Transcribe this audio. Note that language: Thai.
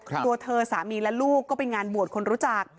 ตัวเธอสามีและลูกก็ไปงานบวชคนรู้จัก